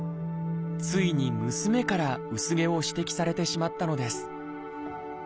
ついに娘から薄毛を指摘されてしまったのです。